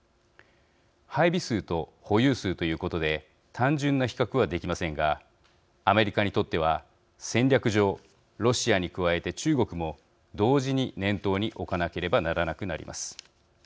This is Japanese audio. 配備数と保有数ということで単純な比較はできませんがアメリカにとっては戦略上ロシアに加えて、中国も同時に念頭に置かなければならなくなります。